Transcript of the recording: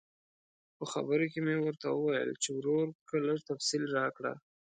په خبرو کې مې ورته وویل چې ورورکه لږ تفصیل راکړه.